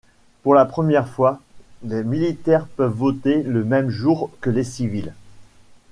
Pour la première fois, les militaires peuvent voter le même jour que les civils.